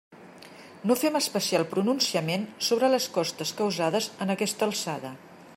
No fem especial pronunciament sobre les costes causades en aquesta alçada.